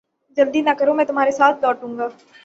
جلدی نہ کرو میں تمھارے ساتھ لوٹوں گا